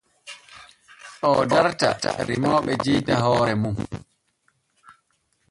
Oo darta remooɓe jewta hoore mum.